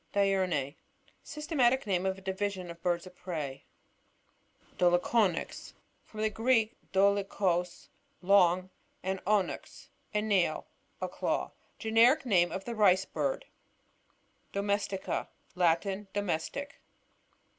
DiuRNiE. — Systematic name of a division of the birds of prey. Dolichonyx. — From the Greek, dolu chos, lung, and onvx, a nail, a claw. Generic name of the Rice Bird* Domestica. — Latin. Domestic.